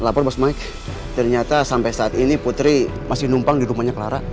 lapor maksudnya ternyata sampai saat ini putri masih numpang di rumahnya clara